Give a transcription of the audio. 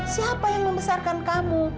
siapa yang membesarkan kamu